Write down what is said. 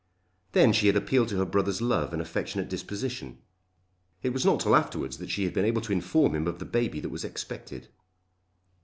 Then she had appealed to her brother's love and affectionate disposition. It was not till afterwards that she had been able to inform him of the baby that was expected.